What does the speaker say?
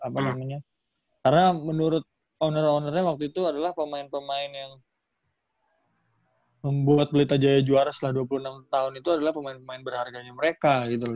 karena menurut owner ownernya waktu itu adalah pemain pemain yang membuat belitajaya juara setelah dua puluh enam tahun itu adalah pemain pemain berharganya mereka gitu loh